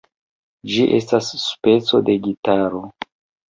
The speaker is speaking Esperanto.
Ĝi estas speco de gitaro.